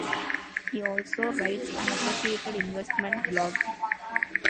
He also writes an associated investment blog.